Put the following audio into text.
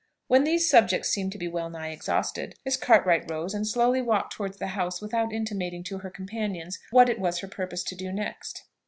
When these subjects seemed to be wellnigh exhausted, Miss Cartwright rose and slowly walked towards the house without intimating to her companions what it was her purpose to do next.